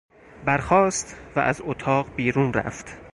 برخاست و از اتاق بیرون رفت.